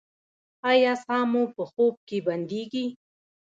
ایا ساه مو په خوب کې بندیږي؟